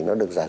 nó được giải